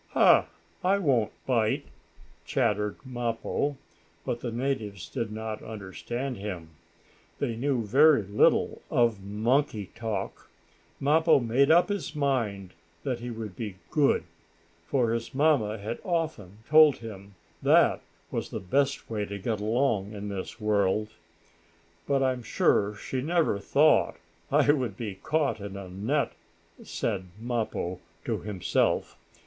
"Ha! I won't bite!" chattered Mappo, but the natives did not understand him. They knew very little of monkey talk. Mappo made up his mind that he would be good, for his mamma had often told him that was the best way to get along in this world. "But I'm sure she never thought I would be caught in a net," said Mappo to himself.